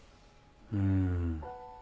うん。